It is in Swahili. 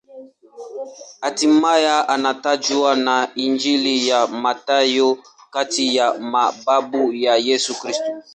Hatimaye anatajwa na Injili ya Mathayo kati ya mababu wa Yesu Kristo.